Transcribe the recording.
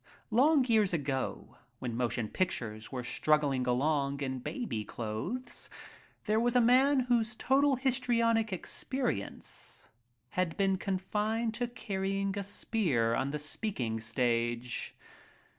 Long years ago when motion pictures were struggling along in baby clothes there was a man whose total histrionic experience had been confined to carrying a spear on the speaking stage.